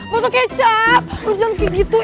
bato kecap lo jangan begitu